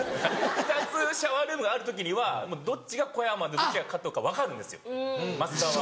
２つシャワールームがある時にはどっちが小山でどっちが加藤か分かるんですよ増田は。